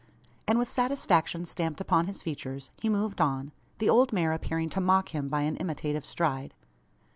and, with satisfaction stamped upon his features, he moved on, the old mare appearing to mock him by an imitative stride!